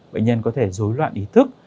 bệnh nhân có thể dối loạn ý thức